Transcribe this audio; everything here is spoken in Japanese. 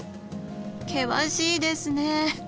険しいですね。